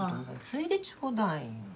ついでちょうだい。